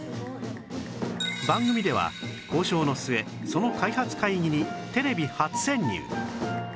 番組では交渉の末その開発会議にテレビ初潜入